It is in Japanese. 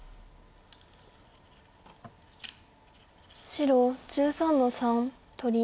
白１３の三取り。